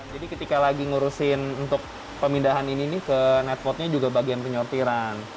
jadi ketika lagi ngurusin untuk pemindahan ini ke netpotnya juga bagian penyortiran